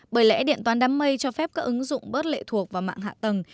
bởi lẽ điện toán đám mây cho phép các ứng dụng bớt lệ thuộc vào mạng hạ tầng